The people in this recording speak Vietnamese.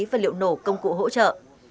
và liệu nổ công cụ hỗ trợ